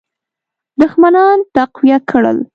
دښمنان تقویه کړل.